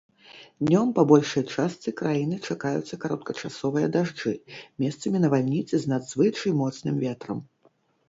Днём па большай частцы краіны чакаюцца кароткачасовыя дажджы, месцамі навальніцы з надзвычай моцным ветрам.